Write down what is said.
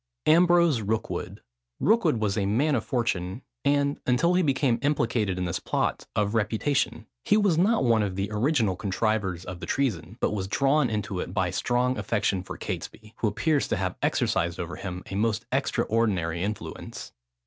AMBROSE ROOKWOOD. Rookwood was a man of fortune, and, until he became implicated in this plot, of reputation. He was not one of the original contrivers of the treason, but was drawn into it by a strong affection for Catesby, who appears to have exercised over him a most extraordinary influence.